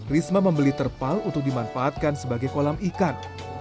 risma membeli terpal untuk dimanfaatkan sebagai kolam ikan